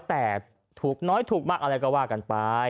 แต่ถูกน้อยถูกมากอะไรก็ว่ากันไป